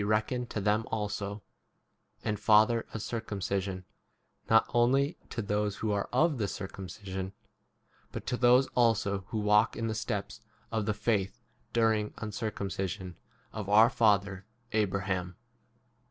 12 to them also; 7 and father of cir cumcision, not only to those who are of [the] circumcision, but to those also who walk in the steps of the faith, during uncircumci sion, of our father Abraham.